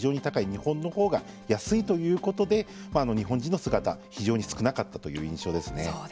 日本のほうが安いということで日本人の姿は非常に少なかったという印象ですね。